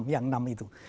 yang enam itu